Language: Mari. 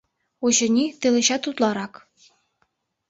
Очыни, тылечат утларак.